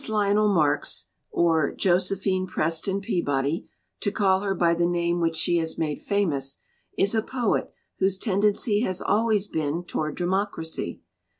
LIONEL MARKS or Josephine Pres ton Peabody, to call her by the name which she has made famous is a poet whose tendency has always been toward democracy.